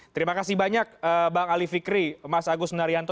terima kasih banyak bang ali fikri mas agus narianto